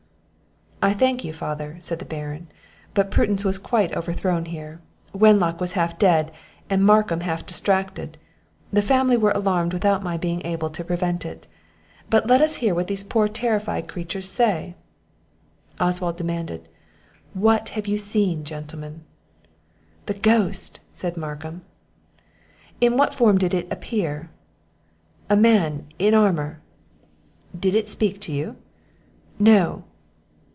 "I thank you, father," said the Baron; "but prudence was quite overthrown here. Wenlock was half dead, and Markham half distracted; the family were alarmed without my being able to prevent it. But let us hear what these poor terrified creatures say." Oswald demanded, "What have you seen, gentlemen?" "The ghost!" said Markham. "In what form did it appear?" "A man in armour." "Did it speak to you?" "No."